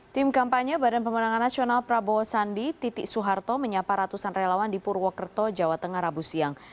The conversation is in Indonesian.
tim kampanye badan pemenangan nasional prabowo sandi titik soeharto menyapa ratusan relawan di purwokerto jawa tengah rabu siang